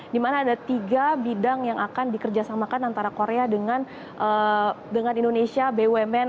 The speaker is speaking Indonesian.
di mana ada tiga bidang yang akan dikerjasamakan antara korea dengan indonesia bumn